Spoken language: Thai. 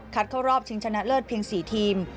เข้ารอบชิงชนะเลิศเพียง๔ทีม